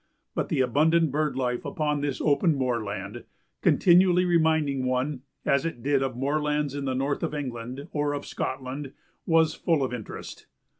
But the abundant bird life upon this open moorland, continually reminding one as it did of moorlands in the north of England or of Scotland, was full of interest.